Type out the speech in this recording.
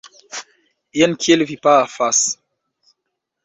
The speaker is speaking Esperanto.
Jen kiel vi pafas!